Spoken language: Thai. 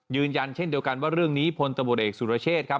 ยืนยันเช่นเดียวกันว่าเรื่องนี้พลตำรวจเอกสุรเชษฐ์ครับ